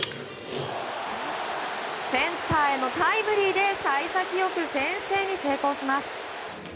センターへのタイムリーで幸先良く先制に成功します。